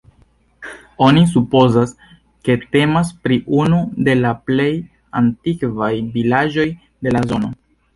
Oni supozas, ke temas pri unu de la plej antikvaj vilaĝoj de la zono.